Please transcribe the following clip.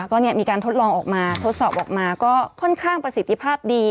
ก็มีการทดลองออกมาทดสอบออกมาก็ค่อนข้างประสิทธิภาพดี